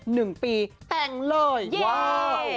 หนึ่งปีแต่งเลยว้าว